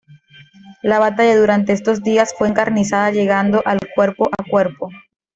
La batalla durante estos días fue encarnizada, llegando al cuerpo a cuerpo.